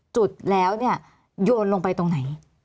จุดแล้วเนี่ยโยนลงไปตรงไหน